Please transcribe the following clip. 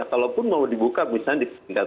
kalau pun mau dibuka misalnya di tingkat